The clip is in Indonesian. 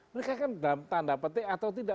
mereka kan dalam tanda petik atau tidak